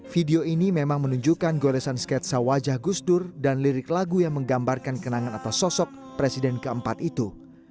video ini memang menunjukkan goresan sketsa wajah gusdur dan lirik lagu yang menggambarkan kenangan atau sosok presiden keempat itu